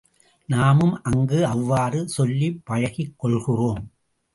நாமும் அங்கு அவ்வாறு சொல்லிப் பழகிக் கொள்கிறோம்.